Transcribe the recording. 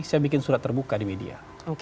saya bikin surat terbuka di media